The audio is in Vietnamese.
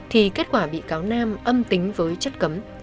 thì kết quả bị cáo nam âm tính với chất cấm